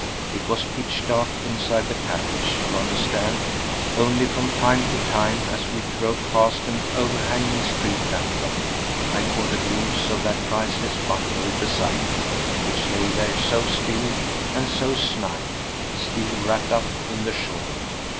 It was pitch dark inside the carriage, you understand; only from time to time, as we drove past an overhanging street lanthorn, I caught a glimpse of that priceless bundle beside me, which lay there so still and so snug, still wrapped up in the shawl.